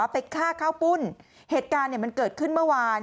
ไปฆ่าข้าวปุ้นเหตุการณ์มันเกิดขึ้นเมื่อวาน